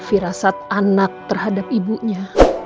firasat anak terhadap ibunya